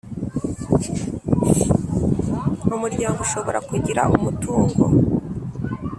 Umuryango ushobora kugira umutungo